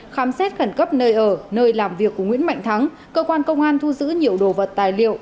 khám xét khẩn cấp nơi ở nơi làm việc của nguyễn mạnh thắng cơ quan công an thu giữ nhiều đồ vật tài liệu